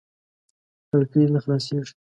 کړکۍ نه خلاصېږي .